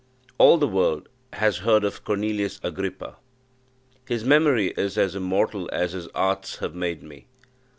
All the world has heard of Cornelius Agrippa. His memory is as immortal as his arts have made me.